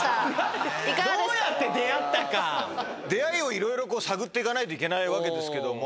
出会いをいろいろ探って行かないといけないわけですけども。